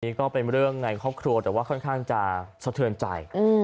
นี่ก็เป็นเรื่องในครอบครัวแต่ว่าค่อนข้างจะสะเทือนใจ